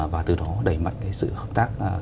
và từ đó đẩy mạnh sự hợp tác